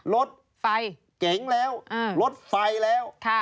รถไฟเก๋งแล้วรถไฟแล้ว